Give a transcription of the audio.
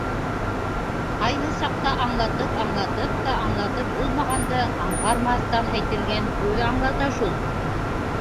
Ҡайһы саҡта аңлатып-аңлатып та аңлатып булмағанды аңғармаҫтан әйтелгән һүҙ аңлата шул.